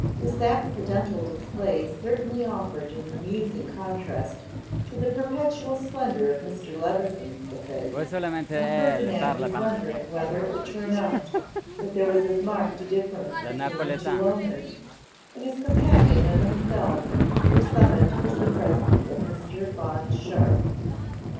This accidental display certainly offered an amusing contrast to the perpetual splendour of Mr. Levison's buffet; and Ferdinand was wondering whether it would turn out that there was as marked a difference between the two owners, when his companion and himself were summoned to the presence of Mr. Bond Sharpe.